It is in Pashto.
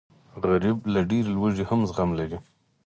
غریب له ډېرې لوږې هم زغم لري